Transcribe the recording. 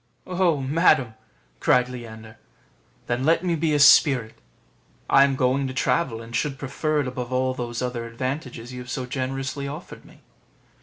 "Oh, madam!" cried Leander, "then let me be a spirit; I am going to travel, and should prefer it above all those other advantages you have so generously offered me."